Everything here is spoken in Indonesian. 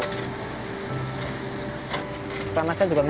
karena saya juga melihatnya dia mulai pulang